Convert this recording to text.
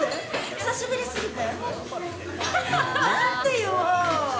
久しぶりすぎて？